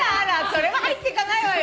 それは入っていかないわよ。